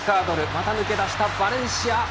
また抜け出した、バレンシア。